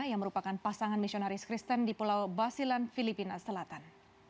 yang merupakan pasangan misionaris kristen di pulau basilan filipina selatan